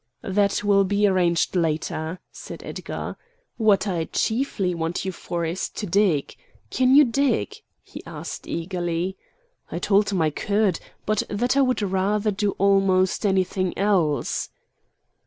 "That will be arranged later," said Edgar. "What I chiefly want you for is to dig. Can you dig?" he asked eagerly. I told him I could; but that I would rather do almost anything else.